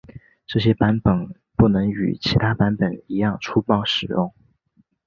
这些版本不能与其他版本一样粗暴使用。